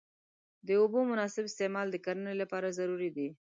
د اوبو مناسب استعمال د کرنې لپاره ضروري دی.